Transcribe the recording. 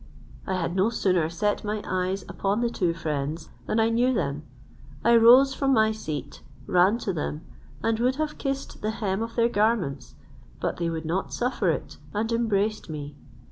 I had no sooner set my eyes upon the two friends, than I knew them. I rose from my seat, ran to them, and would have kissed the hem of their garments; but they would not suffer it, and embraced me.